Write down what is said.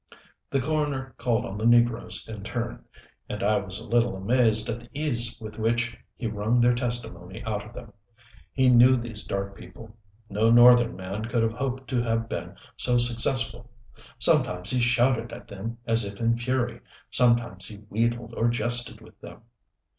The coroner called on the negroes in turn, and I was a little amazed at the ease with which he wrung their testimony out of them. He knew these dark people: no northern man could have hoped to have been so successful. Sometimes he shouted at them as if in fury, sometimes he wheedled or jested with them.